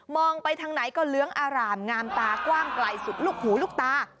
ไปทางไหนก็เลื้องอารามงามตากว้างไกลสุดลูกหูลูกตา